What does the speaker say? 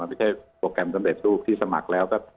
ไม่ใช่โปรแกรมตั้งแต่ศูนย์ที่สมัครแล้วก็